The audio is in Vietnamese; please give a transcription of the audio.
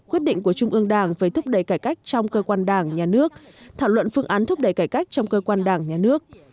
quyết định của trung ương đảng về thúc đẩy cải cách trong cơ quan đảng nhà nước thảo luận phương án thúc đẩy cải cách trong cơ quan đảng nhà nước